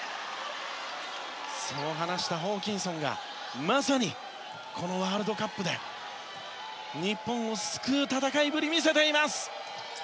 そう話したホーキンソンがまさにこのワールドカップで日本を救う戦いぶりを見せています。